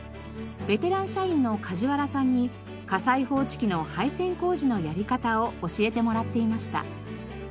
ベテラン社員の梶原さんに火災報知器の配線工事のやり方を教えてもらっていました。